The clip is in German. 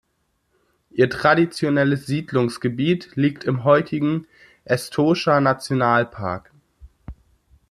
Ihr traditionelles Siedlungsgebiet liegt im heutigen Etosha-Nationalpark.